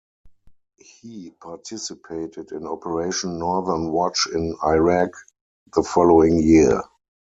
He participated in Operation Northern Watch in Iraq the following year.